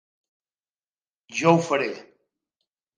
Jo ho faré.